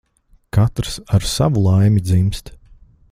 Katrs ar savu laimi dzimst.